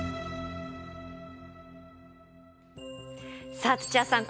さあ土屋さん